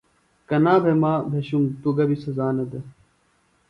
کنا بھےۡ مہ بھیشُوۡم توۡ گہ بیۡ سزا نہ دےۡ۔